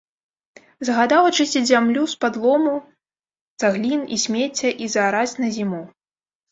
Загадаў ачысціць зямлю з-пад лому, цаглін і смецця і заараць на зіму.